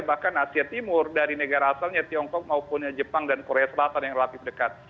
bahkan asia timur dari negara asalnya tiongkok maupun jepang dan korea selatan yang relatif dekat